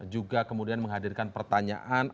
juga kemudian menghadirkan pertanyaan